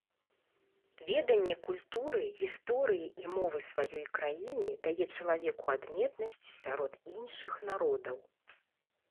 Веданне культуры, гісторыі і мовы сваёй краіны дае чалавеку адметнасць сярод іншых народаў.